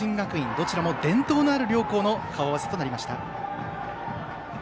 どちらも伝統のある両校の顔合わせとなりました。